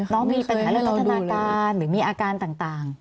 น้องมีปัญหาเรื่องพัฒนาการหรือมีอาการต่าง